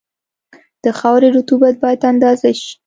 د خاورې رطوبت باید اندازه شي